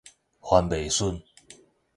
番麥筍